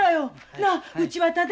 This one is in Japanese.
なあうちはただ。